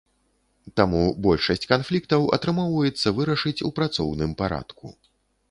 Таму большасць канфліктаў атрымоўваецца вырашыць у працоўным парадку.